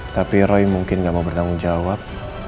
tapi roy mungkin gak mau bertanggung jawab